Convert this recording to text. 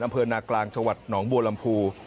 อำเภอนากลางจหนองบัวลำพู